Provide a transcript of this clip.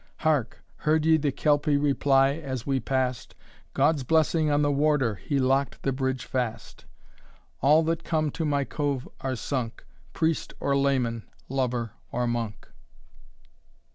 Hark! heard ye the Kelpy reply, as we pass'd, "God's blessing on the warder, he lock'd the bridge fast! All that come to my cove are sunk, Priest or layman, lover or monk."